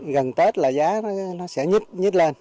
gần tết là giá sẽ nhít lên